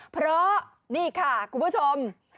เพราะนี่ค่ะคุณผู้ชม